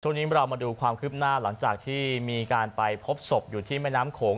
ช่วงนี้เรามาดูความคืบหน้าหลังจากที่มีการไปพบศพอยู่ที่แม่น้ำโขง